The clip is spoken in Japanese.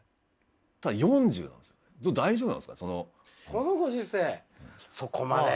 このご時世そこまで。